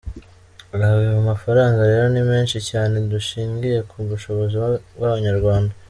Ayo mafaranga rero ni menshi cyane dushingiye ku bushobozi bw’abanyarwanda.